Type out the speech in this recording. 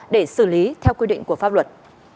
để xử lý theo quy định của pháp luật